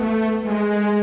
aku sedang berjaga jaga